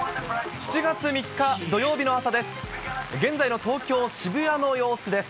７月３日土曜日の朝です。